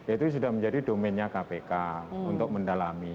itu sudah menjadi domennya kpk untuk mendalami